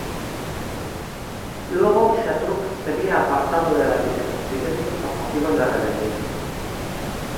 Luego Xatruch sería apartado de la vicepresidencia por motivos de rebeldía.